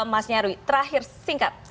mas nyarwi terakhir singkat